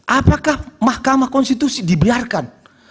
apakah mahkamah konstitusi dibiarkan